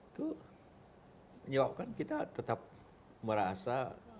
itu menyebabkan kita tetap merasa